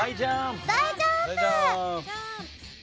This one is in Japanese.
大ジャンプ！